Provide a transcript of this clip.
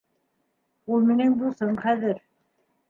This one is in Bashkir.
Ул минең дуҫым хәҙер.